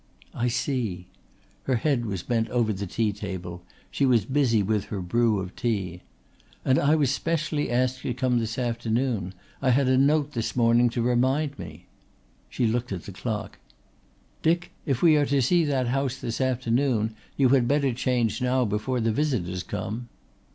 "I see." Her head was bent over the tea table; she was busy with her brew of tea. "And I was specially asked to come this afternoon. I had a note this morning to remind me." She looked at the clock. "Dick, if we are to see that house this afternoon you had better change now before the visitors come."